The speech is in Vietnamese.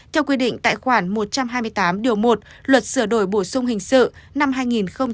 theo quy định tại khoản một trăm hai mươi tám điều một luật sửa đổi bổ sung hình sự năm hai nghìn một mươi